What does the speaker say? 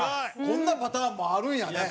こんなパターンもあるんやね。